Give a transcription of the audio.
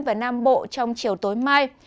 và nam bộ trong chiều tối mai